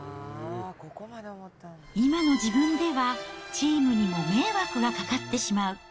今の自分ではチームにも迷惑がかかってしまう。